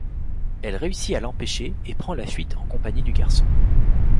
Elle réussit à l’empêcher et prend la fuite en compagnie du garçon.